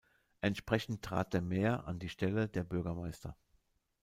Entsprechend trat der Maire an die Stelle der Bürgermeister.